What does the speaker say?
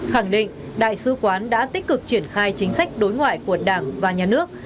khẳng định đại sứ quán đã tích cực triển khai chính sách đối ngoại của đảng và nhà nước